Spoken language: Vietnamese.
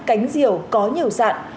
cánh diều có nhiều sạn